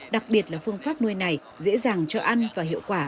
đặc biệt là phương pháp nuôi này dễ dàng cho ăn và hiệu quả